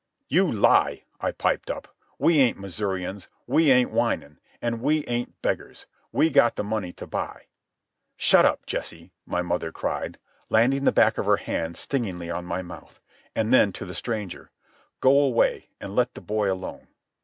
"You lie!" I piped up. "We ain't Missourians. We ain't whinin'. An' we ain't beggars. We got the money to buy." "Shut up, Jesse!" my mother cried, landing the back of her hand stingingly on my mouth. And then, to the stranger, "Go away and let the boy alone."